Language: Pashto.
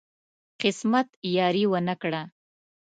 قسمت یاري ونه کړه.